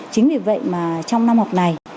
chính vì vậy mà trong năm học này